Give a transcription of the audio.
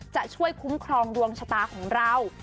จะช่วยคุ้มครองดวงชะตาของเรา